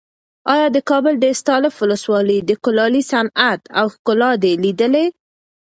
ایا د کابل د استالف ولسوالۍ د کلالۍ صنعت او ښکلا دې لیدلې؟